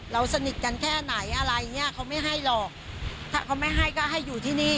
เราสนิทกันแค่ไหนอะไรอย่างเงี้ยเขาไม่ให้หรอกถ้าเขาไม่ให้ก็ให้อยู่ที่นี่